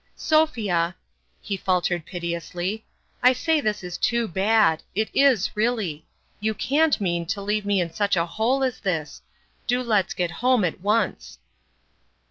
" Sophia," he faltered piteously, " I say this is too bad it is, really ! You can't mean to leave me in such a hole as this do let's get home at once